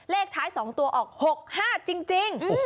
เลขท้าย๒ตัวออก๖๕จริง